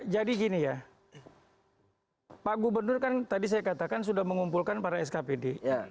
jadi gini ya pak gubernur kan tadi saya katakan sudah mengumpulkan para skpd